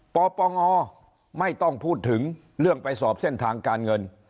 ปปงไม่ต้องพูดถึงเรื่องไปสอบเส้นทางการเงิน